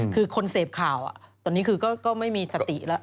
คือคนเสพข่าวตอนนี้คือก็ไม่มีสติแล้ว